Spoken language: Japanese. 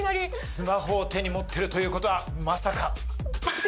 スマホを手に持ってるということはまさか。